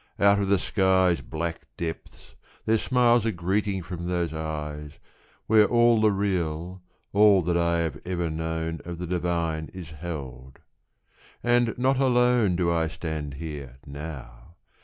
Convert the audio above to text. Out of the sky's Black depths there smiles a greeting from those eyes, Where all the Real, all I have ever known Of the divine is held. And not alone Do I stand here now